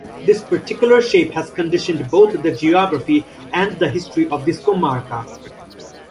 This particular shape has conditioned both the geography and the history of this "comarca".